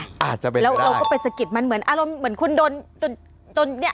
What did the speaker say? อาจจะเป็นได้แล้วเราก็ไปสะกิดมันเหมือนคุณโดนจี้